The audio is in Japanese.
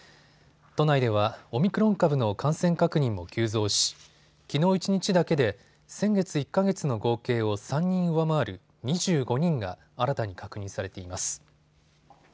都内ではオミクロン株の感染確認も急増しきのう一日だけで先月１か月の合計を３人上回る２５人が新たに確認されています。